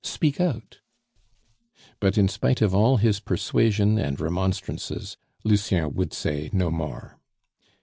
"Speak out." But in spite of all his persuasion and remonstrances, Lucien would say no more.